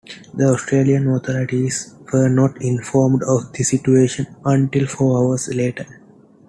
The Australian authorities were not informed of the situation until four hours later.